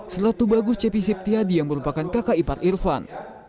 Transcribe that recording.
selatu bagus cepi siptiadi yang merupakan kakak ipar irfan